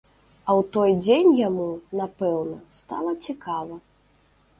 А ў той дзень яму, напэўна, стала цікава.